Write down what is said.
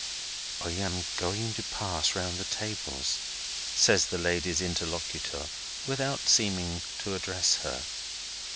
"I am going to pass round the tables," says the lady's interlocutor, without seeming to address her.